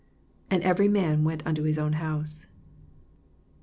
53 And every man went unto his own house.